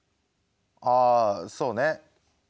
ああそうねうん。